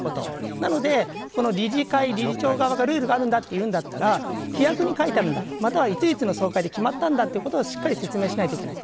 なので、理事会、理事長側がルールがあるんだっていうんならば規約に書いてあるんだまたは、いついつの総会で決まったんだとしっかり説明しないといけない。